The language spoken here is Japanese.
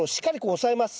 押さえます。